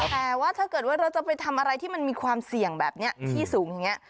แต่ว่าถ้าเกิดว่าเราจะไปทำอะไรที่มันมีความเสี่ยงแบบนี้ที่สูงอย่างนี้